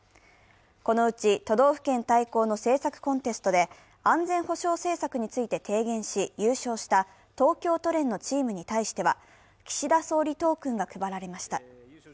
このうち、都道府県対抗の政策コンテストで、安全保障戦略について提言し優勝した東京都連のチームに対しては岸田総理トークンが配られました。